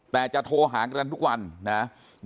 แต่จะโทรหากันทุกวันนะ